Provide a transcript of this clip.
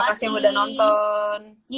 makasih yang udah nonton